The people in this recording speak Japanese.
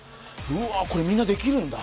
うわ、これ、みんなできるんだ。